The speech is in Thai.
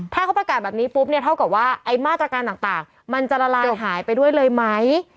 ถ้าเขาประกาศแบบนี้ปุ๊บเนี่ยเท่ากับว่าไอ้มาตรการต่างมันจะละลายหายไปด้วยเลยไหม